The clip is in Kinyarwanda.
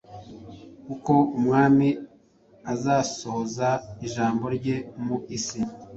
kuko Umwami azasohoza ijambo rye mu isi,